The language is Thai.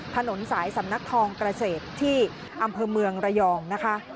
ถนนสายสำนักทองเกษตรที่อำเภอเมืองระยองนะคะ